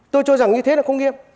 tôi cho rằng như thế là không nghiêm